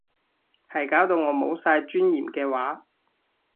係搞到我冇晒尊嚴嘅話